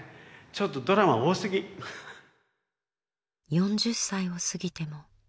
４０歳を過ぎても。